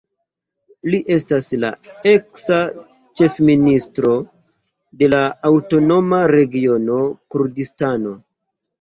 Li estas la eksa ĉefministro de la Aŭtonoma Regiono Kurdistano.